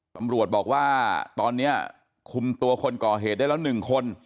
ตำรวจบอกว่าตอนนี้คุมตัวคนก่อเหตุได้แล้ว๑คน